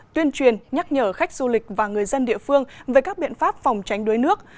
tuyên truyền nhắc nhở khách du lịch và người dân địa phương về các biện pháp phòng tránh đuối nước